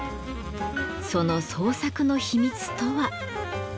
その創作の秘密とは。